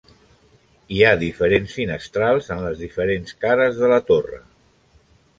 Hi ha diferents finestrals en les diferents cares de la torre.